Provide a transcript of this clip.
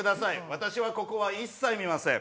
私はここは一切見ません。